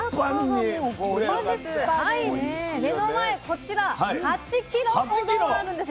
目の前こちら８ｋｇほどあるんです。